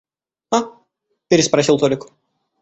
— А? — переспросил Толик.